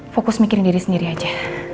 fokus mikirin diri sendiri aja